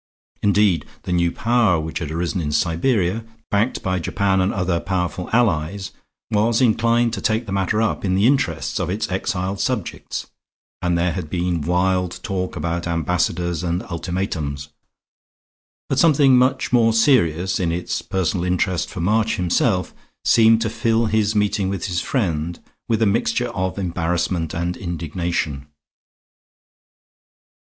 Indeed, the new Power which had arisen in Siberia, backed by Japan and other powerful allies, was inclined to take the matter up in the interests of its exiled subjects; and there had been wild talk about ambassadors and ultimatums. But something much more serious, in its personal interest for March himself, seemed to fill his meeting with his friend with a mixture of embarrassment and indignation.